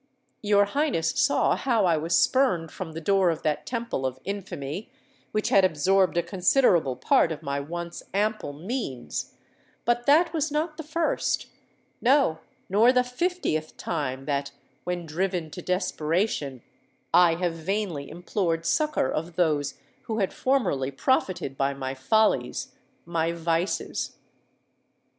Your Highness saw how I was spurned from the door of that temple of infamy, which had absorbed a considerable part of my once ample means;—but that was not the first—no, nor the fiftieth time that, when driven to desperation, I have vainly implored succour of those who had formerly profited by my follies—my vices.